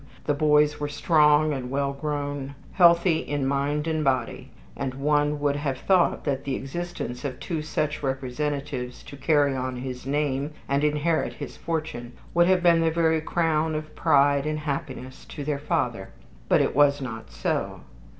The boys were strong and well grown, healthy in mind and body; and one would have thought that the existence of two such representatives to carry on his name and inherit his fortune would have been the very crown of pride and happiness to their father. But it was not so.